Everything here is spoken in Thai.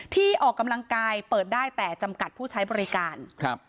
ที่ออกกำลังกายเปิดได้แต่จำกัดผู้ใช้บริการครับ